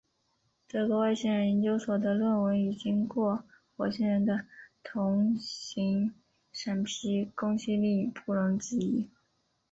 德国外星人研究所的论文已经过火星人的同行审批，公信力不容置疑。